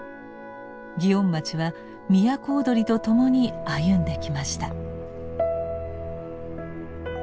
祇園町は都をどりと共に歩んできました。